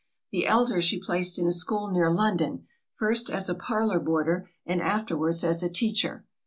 The elder she placed in a school near London, first as a parlour boarder, and afterwards as a teacher.